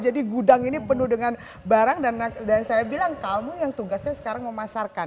jadi gudang ini penuh dengan barang dan saya bilang kamu yang tugasnya sekarang memasarkan